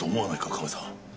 カメさん。